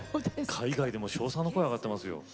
海外でも称賛の声上がってますよ。